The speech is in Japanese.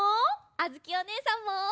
あづきおねえさんも。